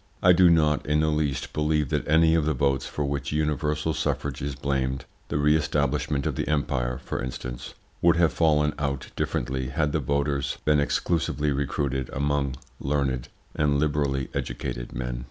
I do not in the least believe that any of the votes for which universal suffrage is blamed the re establishment of the Empire, for instance would have fallen out differently had the voters been exclusively recruited among learned and liberally educated men.